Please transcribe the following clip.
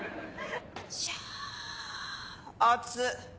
シャ熱っ。